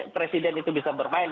presiden itu bisa bermain